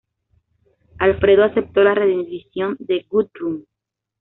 Alfredo aceptó la rendición de Guthrum.